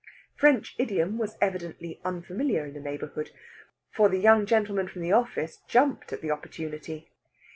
French idiom was evidently unfamiliar in the neighbourhood, for the young gentleman from the office jumped at the opportunity.